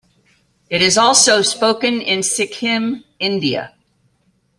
It is also spoken in Sikkim, India.